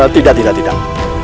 tidak tidak tidak